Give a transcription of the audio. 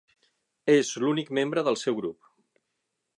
És l'únic membre del seu grup.